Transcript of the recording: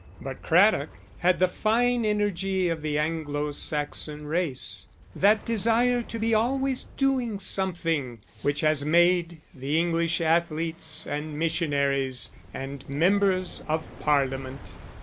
But Craddock had the fine energy of the Anglo Saxon race, that desire to be always doing something which has made the English athletes, and missionaries, and members of Parliament.